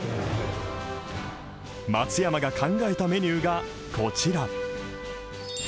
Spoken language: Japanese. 松山が考えたメニューがこちら。